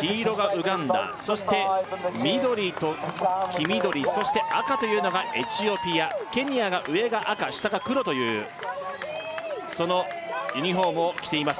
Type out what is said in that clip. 黄色がウガンダそして緑と黄緑そして赤というのがエチオピアケニアが上が赤下が黒というそのユニフォームを着ています